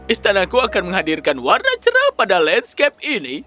istanaku akan menghadirkan warna cerah pada landscape ini